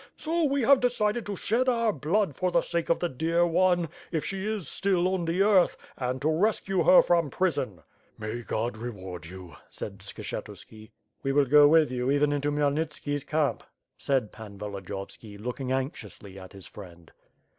So we have decided to shed our blood for th€ sake of the dear one, if she is still on the earth, and to rescue her from prison.*' "May God reward you," said Skshetuski. "We will go with you even into Khmyelnitski'e camp," said Pan Volodiyovski, looking anxiously at his friend.